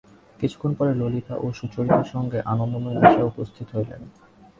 কিছুক্ষণ পরে ললিতা ও সুচরিতার সঙ্গে আনন্দময়ী আসিয়া উপস্থিত হইলেন।